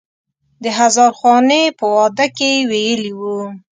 د هزار خوانې په واده کې یې ویلی و.